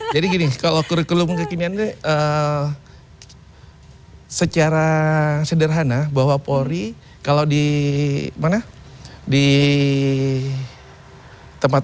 jadi gini kalau kurikulum kekinian secara sederhana bahwa polri kalau di mana di tempat